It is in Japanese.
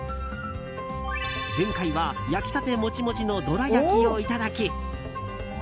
前回は焼きたてモチモチのどら焼きをいただき